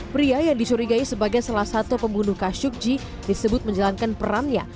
pria yang dicurigai sebagai salah satu pembunuh khashoggi disebut menjalankan perannya